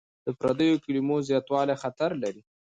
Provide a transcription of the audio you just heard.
د پردیو کلمو زیاتوالی خطر لري.